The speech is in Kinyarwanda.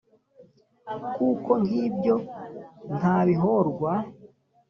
kuko nk ' ibyo ntabihorwa